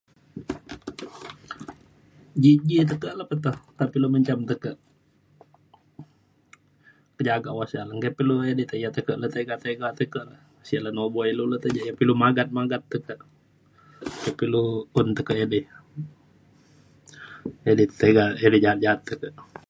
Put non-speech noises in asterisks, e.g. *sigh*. ji ji tekak le pe toh nta pe ilu menjam tekek pejagau. *unintelligible* enggei *unintelligible* tiga tiga tekek sek le nubo ilu je pe ilu magat magat tekek. nta pa ilu un tekek idi idi tiga idi ja’at ja’at tekek.